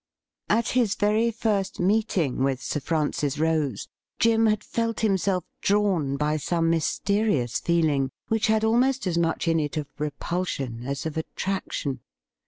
At his very first meeting with Sir Francis Rose, Jim had felt himself drawn by some mysterious feeling which had almost as much in it of repulsion as of attraction.